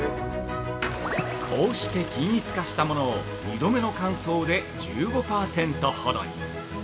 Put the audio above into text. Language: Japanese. ◆こうして均一化したものを２度目の乾燥で１５％ほどに。